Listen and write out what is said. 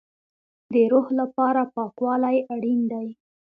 د روح لپاره پاکوالی اړین دی